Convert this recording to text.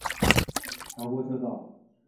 调拨车道。